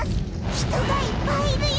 人がいっぱいいるよ。